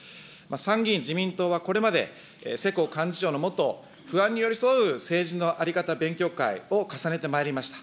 参議院自民党は、これまで世耕幹事長の下、不安に寄り添う政治の在り方勉強会を重ねてまいりました。